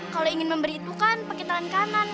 kalo ingin memberi itu kan pake tangan kanan